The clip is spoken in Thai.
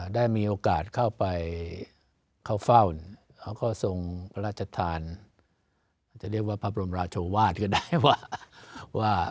ได้มีโอกาสเข้าไปเข้าฟ่าวนแล้วก็ทรงพระราชธรรมจะเรียกว่าพระบรมราชวาตรก็ได้ว่า